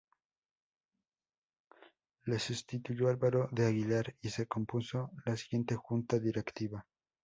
Le sustituyó Álvaro de Aguilar, y se compuso la siguiente junta directiva.